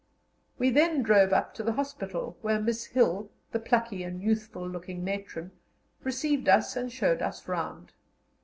We then drove up to the hospital, where Miss Hill, the plucky and youthful looking matron, received us and showed us round.